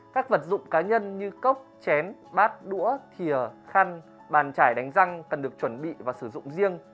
các vật dụng cá nhân như cốc chén bát đũa thìa khăn bàn trải đánh răng cần được chuẩn bị và sử dụng riêng